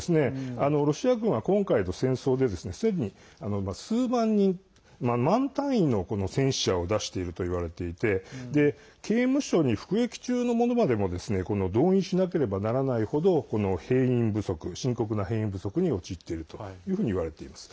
ロシア軍は今回の戦争ですでに数万人、万単位の戦死者を出しているといわれていて刑務所に服役中の者までも動員しなければならないほど深刻な兵員不足に陥っているというふうにいわれています。